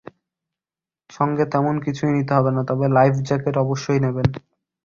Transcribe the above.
সঙ্গে তেমন কিছুই নিতে হবে না, তবে লাইফ জ্যাকেট অবশ্যই নেবেন।